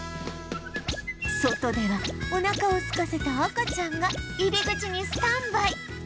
外ではおなかをすかせた赤ちゃんが入り口にスタンバイ